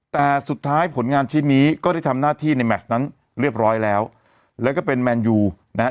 แต่สุดท้ายผลงานชิ้นนี้ก็ได้ทำหน้าที่ในแมชนั้นเรียบร้อยแล้วแล้วก็เป็นแมนยูนะฮะ